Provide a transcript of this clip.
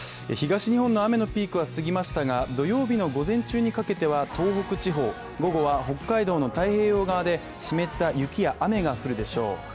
東日本の雨のピークは過ぎましたが、土曜日の午前中にかけては東北地方午後は北海道の太平洋側で湿った雪や雨が降るでしょう。